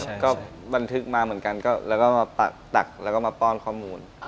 ใช่ก็บันทึกมาเหมือนกันแล้วก็มาตักแล้วก็มาป้อนข้อมูล